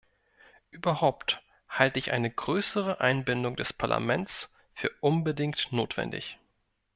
Überhaupt halte ich eine größere Einbindung des Parlaments für unbedingt notwendig.